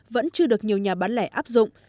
vẫn chưa được nhiều nhà bán lẻ áp dụng